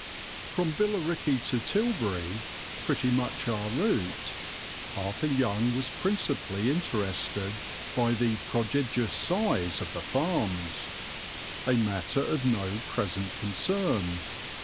From Billericay to Tilbury, pretty much our route, Arthur Young was principally interested by the "prodigious size of the farms," a matter of no present concern.